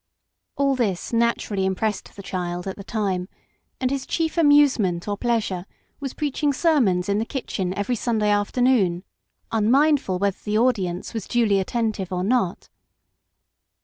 All this naturally impressed the child at the time, and his chief amuse ment or pleasure was preaching sermons iu the kitchen every Sunday afternoon, unmindful whether the audi PARENTAGE. 15 ence was duly attentive or not.